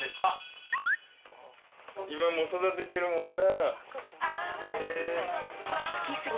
今も育ててるもんな。